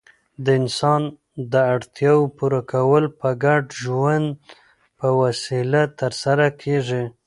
د انسان داړتیاوو پوره کول په ګډ ژوند په وسیله ترسره کيږي.